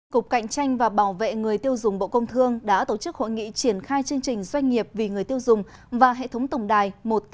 cục cạnh tranh và bảo vệ người tiêu dùng bộ công thương đã tổ chức hội nghị triển khai chương trình doanh nghiệp vì người tiêu dùng và hệ thống tổng đài một tám không không sáu tám ba tám